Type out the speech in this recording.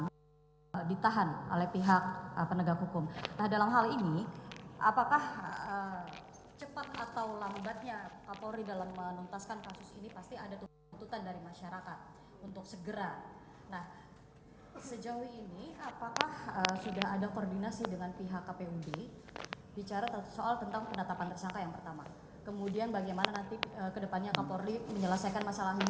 kemudian bagaimana nanti ke depannya kaporli menyelesaikan masalah ini hingga penahanan untuk mencapai tingkat p dua puluh satu atau penuntutan